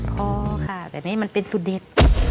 พอค่ะแต่นี่มันเป็นสุดเด็ด